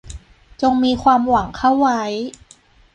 จงมีความหวังเข้าไว้